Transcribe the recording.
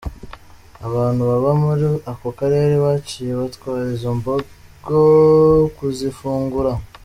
Abantu baba muri ako karere baciye batwara izo mbogo kuzifungura.